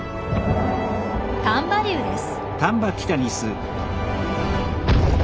丹波竜です。